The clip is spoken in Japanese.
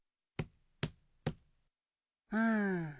うん。